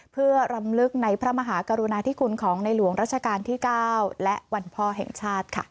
เพื่อรำลึกในพระมหากรุณาธิคุณของในหลวงราชการที่๙และวันพ่อแห่งชาติ